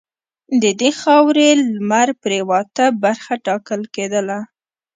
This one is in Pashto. د دې خاورې لمرپرېواته برخه ټاکله کېدله.